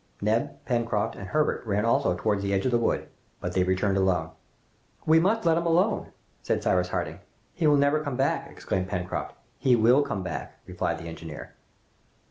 Neb, Pencroft, and Herbert ran also towards the edge of the wood but they returned alone. "We must let him alone!" said Cyrus Harding. "He will never come back!" exclaimed Pencroft. "He will come back," replied the engineer.